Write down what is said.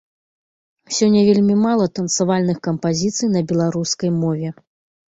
Сёння вельмі мала танцавальных кампазіцый на беларускай мове.